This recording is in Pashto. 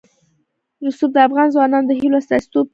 رسوب د افغان ځوانانو د هیلو استازیتوب کوي.